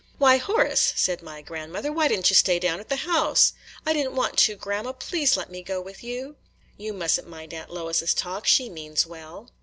"Why, Horace," said my grandmother, "why did n't you stay down at the house?" "I did n't want to, grandma; please let me go with you." "You must n't mind Aunt Lois's talk, – she means well."